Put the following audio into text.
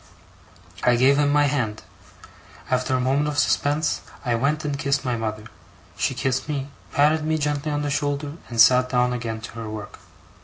I gave him my hand. After a moment of suspense, I went and kissed my mother: she kissed me, patted me gently on the shoulder, and sat down again to her work.